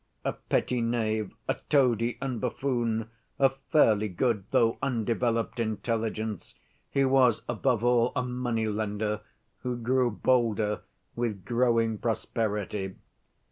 A petty knave, a toady and buffoon, of fairly good, though undeveloped, intelligence, he was, above all, a moneylender, who grew bolder with growing prosperity.